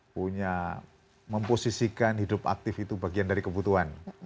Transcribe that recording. punya memposisikan hidup aktif itu bagian dari kebutuhan